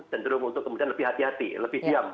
cenderung untuk kemudian lebih hati hati lebih diam